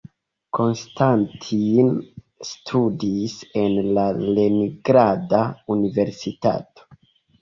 Konstantin studis en la Leningrada Universitato.